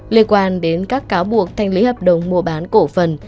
liên quan đến các cáo buộc thanh lý hợp đồng mua bán cổ phần